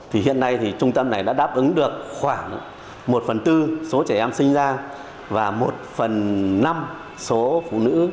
hiện nay trung tâm này đã đáp ứng được khoảng một phần bốn số trẻ em sinh ra và một phần năm số phụ nữ